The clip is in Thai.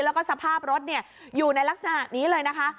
แล้วก็สภาพรถอยู่ในลักษณะนี้เลยนะคะ